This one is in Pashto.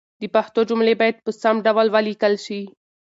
د پښتو جملې باید په سم ډول ولیکل شي.